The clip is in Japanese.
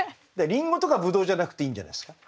りんごとかぶどうじゃなくていいんじゃないですか？